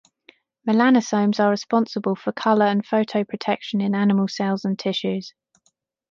Melanosomes are responsible for color and photoprotection in animal cells and tissues.